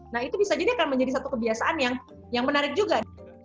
nah itu bisa jadi akan menjadi satu kebiasaan yang menarik juga